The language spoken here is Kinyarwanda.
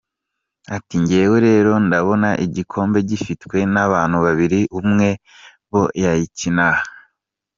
Ati “Njyewe rero ndabona igikombe gifitwe n’abantu babiri, umwe muri bo yakijyana.